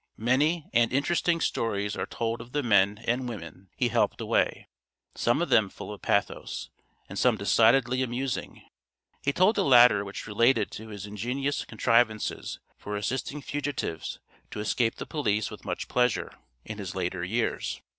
Many and interesting stories are told of the men and women he helped away, some of them full of pathos, and some decidedly amusing. He told the latter which related to his ingenious contrivances for assisting fugitives to escape the police with much pleasure, in his later years.